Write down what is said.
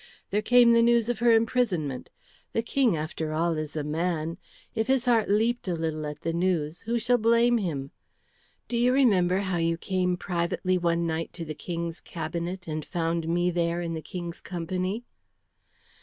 There came the news of her imprisonment. The King, after all, is a man. If his heart leaped a little at the news, who shall blame him? Do you remember how you came privately one night to the King's cabinet and found me there in the King's company?"